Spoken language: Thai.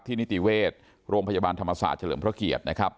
นิติเวชโรงพยาบาลธรรมศาสตร์เฉลิมพระเกียรตินะครับ